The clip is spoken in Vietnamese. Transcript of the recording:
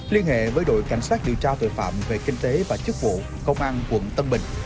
liên hệ với đội cảnh sát điều tra tội phạm về kinh tế và chức vụ công an quận tân bình